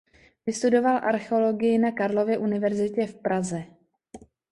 Vystudoval archeologii na Karlově univerzitě v Praze.